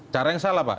cara yang salah pak